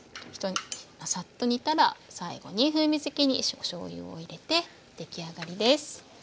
サッと煮たら最後に風味づけにおしょうゆを入れて出来上がりです。